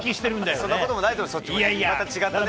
そんなこともないと思います